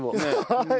はい。